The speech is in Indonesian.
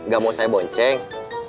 gak mau saya bonceng